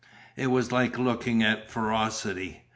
It was like looking at Ferocity.